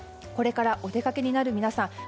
これからお出かけになる皆さん